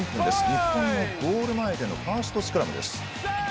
日本のゴール前でのファーストスクラムです。